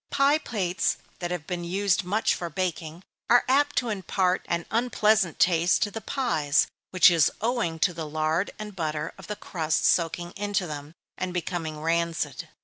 Pie plates that have been used much for baking, are apt to impart an unpleasant taste to the pies, which is owing to the lard and butter of the crust soaking into them, and becoming rancid.